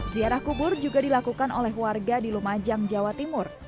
ziarah kubur juga dilakukan oleh warga di lumajang jawa timur